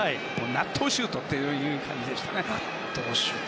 納豆シュートという感じでしたね。